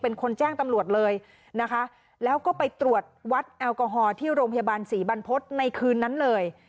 เป็นคนแจ้งตำรวจเลยนะคะแล้วก็ไปตรวจวัดแอลกอฮอล์ที่โรงพยาบาลศรีบรรพฤษในคืนนั้นเลย